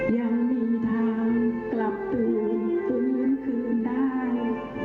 ยังมีทางกลับเตือนขึ้นคืนได้